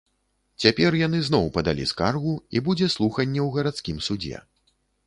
Цяпер яны зноў падалі скаргу, і будзе слуханне ў гарадскім судзе.